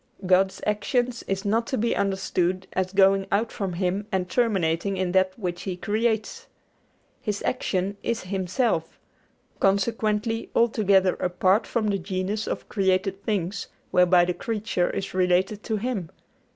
God's action is not to be understood as going out from Him and terminating in that which He creates. His action is Himself; consequently altogether apart from the genus of created being whereby the creature is related to Him.